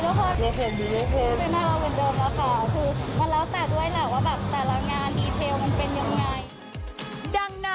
แล้วของดินโอเคไม่ได้รับวินเบิ้ลนะคะคือมันแล้วแต่ด้วยแหละว่าแบบแต่ละงานดีเทลมันเป็นยังไง